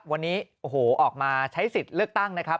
วันนี้โอ้โหออกมาใช้สิทธิ์เลือกตั้งนะครับ